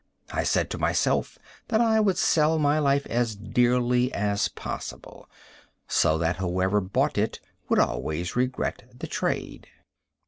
I said to myself that I would sell my life as dearly as possible, so that whoever bought it would always regret the trade.